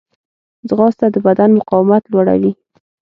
ځغاسته د بدن مقاومت لوړوي